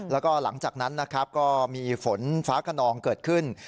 แล้วก็หลังจากนั้นนะครับก็มีฝนฟ้าขนองเกิดขึ้น